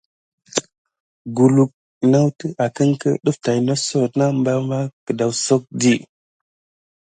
Kulu nawute akenki def tät na epəŋle suk barbar kidasaku.